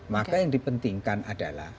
maka yang di pentingkan adalah